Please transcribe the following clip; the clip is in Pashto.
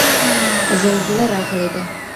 زلزله راغلې ده.